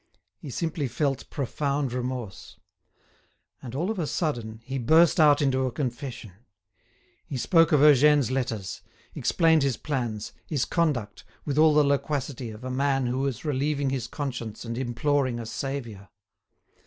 He simply felt profound remorse. And, all of a sudden, he burst out into a confession. He spoke of Eugène's letters, explained his plans, his conduct, with all the loquacity of a man who is relieving his conscience and imploring a saviour.